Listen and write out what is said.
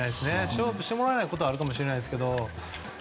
勝負してもらえないことはあるかもしれないですけど。